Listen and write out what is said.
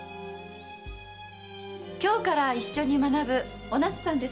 今日から一緒に学ぶお奈津さんです。